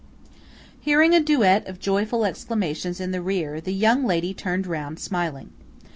Hearing a duet of joyful exclamations in the rear, the young lady turned round, smiling.